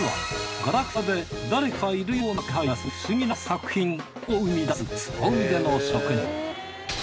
ガラクタで誰かいるような気配がする不思議な作品を生み出す凄腕の職人。